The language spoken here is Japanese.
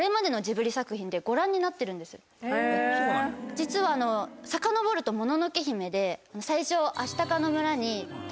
実はさかのぼると『もののけ姫』で最初。